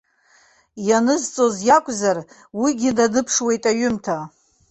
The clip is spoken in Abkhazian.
Ианызҵоз иакәзар, уигьы даныԥшуеит аҩымҭа.